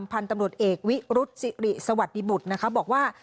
พันธุ์ตำรวจเอกวิรุษศิริสวัสดิบุตรนะคะบอกว่า